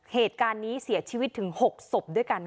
เหตุการณ์นี้เสียชีวิตถึง๖ศพด้วยกัน